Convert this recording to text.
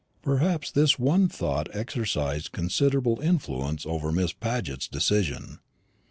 Perhaps this one thought exercised considerable influence over Miss Paget's decision.